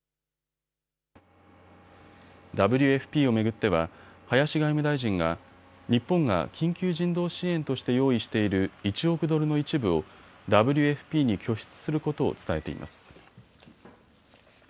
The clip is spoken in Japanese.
ＷＦＰを巡っては林外務大臣が日本が緊急人道支援として用意している１億ドルの一部をＷＦＰに拠出することを伝えています。